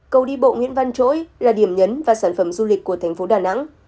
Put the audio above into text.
cầu đi bộ nguyễn văn chỗi là điểm nhấn và sản phẩm du lịch của thành phố đà nẵng